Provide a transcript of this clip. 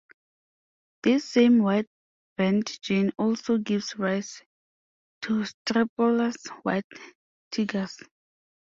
This same wide band gene also gives rise to stripeless white tigers.